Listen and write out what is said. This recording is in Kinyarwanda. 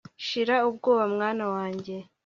shira ubwoba mwana wanjye